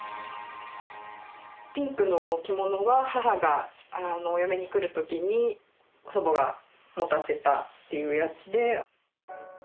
ピンクの着物は母がお嫁に来る時に祖母が持たせたというやつで。